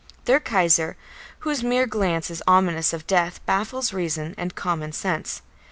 Their Kaiser, whose mere glance is ominous of death, baffles reason and common sense.